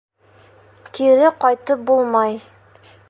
Кире ҡайтып булмай.